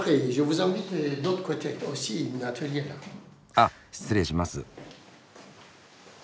あっ失礼します。